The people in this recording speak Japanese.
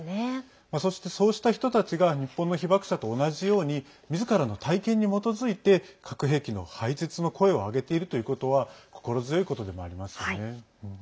そして、そうした人たちが日本の被ばく者と同じようにみずからの体験に基づいて核兵器の廃絶の声を上げているということは心強いことでもありますよね。